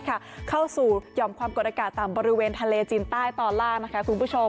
เข้าสู่ยอมความกดอากาศต่ำบริเวณทะเลจีนใต้ต่อล่าง